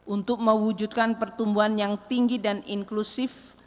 untuk mewujudkan pertumbuhan yang tinggi dan inklusif